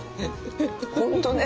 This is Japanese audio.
本当ね。